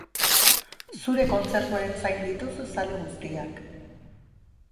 Zure kontzertuaren zain dituzu zale guztiak.